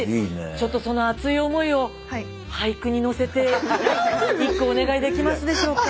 ちょっとその熱い思いを俳句に乗せて一句お願いできますでしょうか？